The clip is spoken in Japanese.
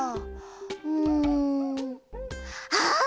うんあっ！